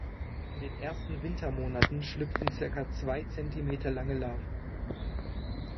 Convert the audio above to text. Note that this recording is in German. In den ersten Wintermonaten schlüpfen circa zwei Zentimeter lange Larven.